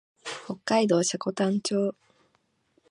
北海道積丹町